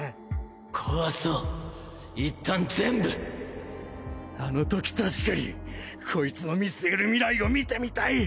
壊そう一旦全部あの時確かに「こいつの見据える未来を見てみたい」